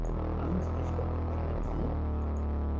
আমি জিজ্ঞেস করলাম, তাহলে কি?